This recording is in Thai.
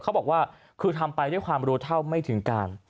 เขาบอกว่าคือทำไปด้วยความรู้เท่าไม่ถึงการ